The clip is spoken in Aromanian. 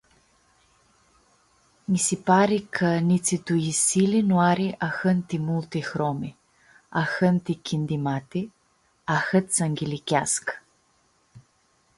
Nj-si pari cã nitsi tu yisili noari ahãnti multi hromi, ahãnti chindimati, ahãt s-ãnghiliceascã.